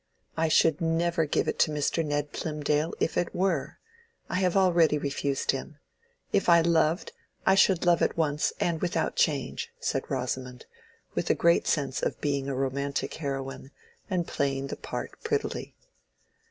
"I should never give it to Mr. Ned Plymdale, if it were. I have already refused him. If I loved, I should love at once and without change," said Rosamond, with a great sense of being a romantic heroine, and playing the part prettily.